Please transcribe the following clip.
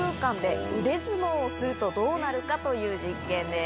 をするとどうなるか？という実験です。